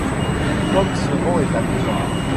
Comme ce vent est amusant !